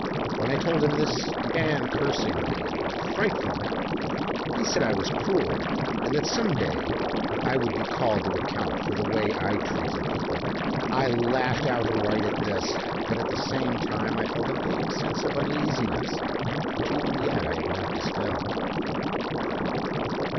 When I told him this, he began cursing me in a frightful manner. He said I was cruel and that some day I would be called to account for the way I treated people. I laughed outright at this, but at the same time I felt a vague sense of uneasiness which even yet I have not dispelled.